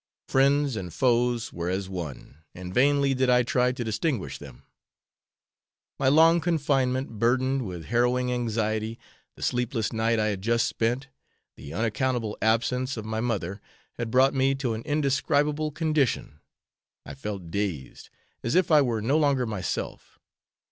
Friends and foes were as one, and vainly did I try to distinguish them. My long confinement, burdened with harrowing anxiety, the sleepless night I had just spent, the unaccountable absence of my mother, had brought me to an indescribable condition. I felt dazed, as if I were no longer myself.